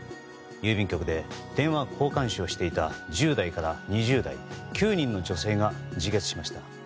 郵便局で電話交換手をしていた１０代から２０代９人の女性が自決しました。